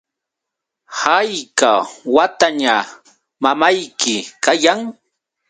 ¿hayka wataña mamayki kayan?